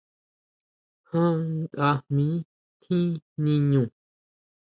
Já nkajmi tjín niñú?